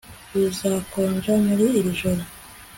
bizakonja muri iri joro